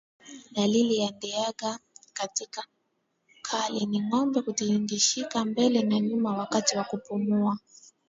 Dalili ya ndigana kali ni ngombe kutingishika mbele na nyuma wakati wa kupumua